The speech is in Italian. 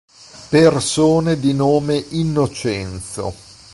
Persone di nome Innocenzo